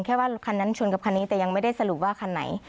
แค่ว่าคันนั้นชนกับคันนี้แต่ยังไม่ได้สรุปว่าคันไหน